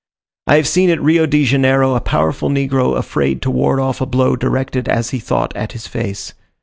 I have seen at Rio de Janeiro a powerful negro afraid to ward off a blow directed, as he thought, at his face.